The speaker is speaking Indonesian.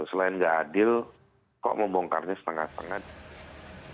selain nggak adil kok mau bongkarnya setengah setengah